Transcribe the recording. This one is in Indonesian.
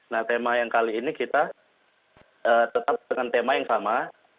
nah tema yang kali ini kita tetap dengan tema yang sama